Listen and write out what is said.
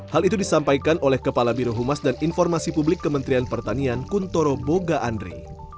hal itu disampaikan oleh kepala birohumas dan informasi publik kementerian pertanian kuntoro boga andri